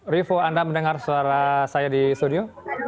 rivo anda mendengar suara saya di studio